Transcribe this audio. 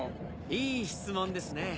いい質問ですね。